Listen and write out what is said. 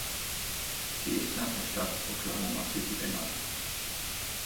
Sie ist nach der Stadt Oklahoma City benannt.